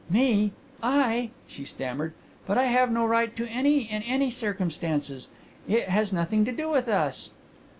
"Me I?" she stammered. "But I have no right to any in any circumstances. It has nothing to do with us."